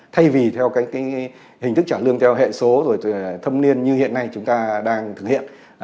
thay vì theo cái hình thức trả lương theo hệ số rồi thâm niên như hiện nay chúng ta đang thực hiện